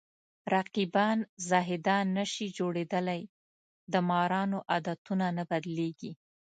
رقیبان زاهدان نشي جوړېدلی د مارانو عادتونه نه بدلېږي